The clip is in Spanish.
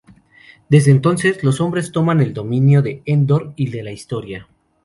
Desde entonces, los Hombres toman el dominio de Endor y de la historia.